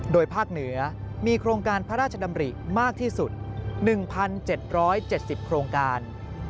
โดยภาคเหนือมีโครงการพระราชดำริมากที่สุด๑๗๗๐โครงการ